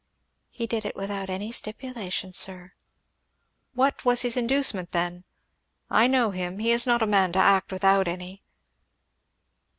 "He did it without any stipulation, sir." "What was his inducement then? If I know him he is not a man to act without any."